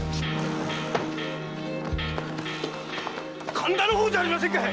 ・神田の方じゃありませんかい！